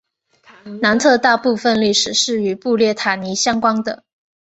南特大部分历史是与布列塔尼相关的。